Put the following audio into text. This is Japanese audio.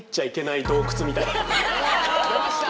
出ました！